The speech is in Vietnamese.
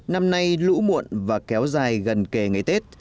năm nay lũ muộn và kéo dài gần kề ngày tết